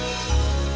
jadi ini already tepat